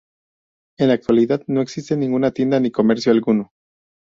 En la actualidad no existe ninguna tienda, ni comercio alguno.